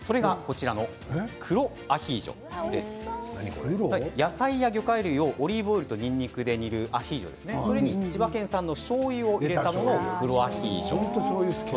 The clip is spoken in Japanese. それが黒アヒージョ野菜や魚介類をオリーブオイルとにんにくで煮るアヒージョに千葉県産のしょうゆを加えたものが黒アヒージョ。